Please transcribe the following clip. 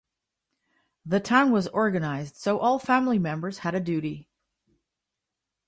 The town was organized so all family members had a duty.